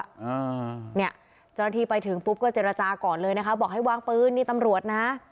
อ่าเนี่ยเจ้าหน้าที่ไปถึงปุ๊บก็เจรจาก่อนเลยนะคะบอกให้วางปืนนี่ตำรวจนะ